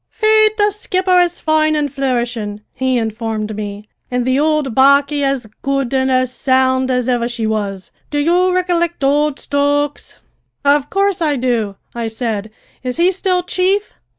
"Faith, the skipper is foine and flourishin'," he informed me, "an' the ould barquey as good an' as sound as ivver she was. Do you ricollict ould Stokes?" "Of course I do," I said. "Is he still chief?"